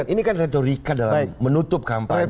ini kan retorika dalam menutup kampanye